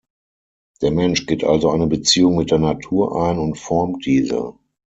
Der Mensch geht also eine Beziehung mit der Natur ein und formt diese.